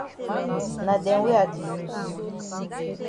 Na dem wey I di use.